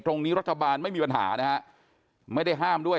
ตรงนี้รัฐบาลไม่มีปัญหานะฮะไม่ได้ห้ามด้วย